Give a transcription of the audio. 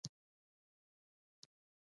د اجب شاګۍ کروړو عجب شان